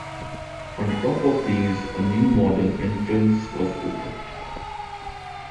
On top of these a new modern entrance was opened.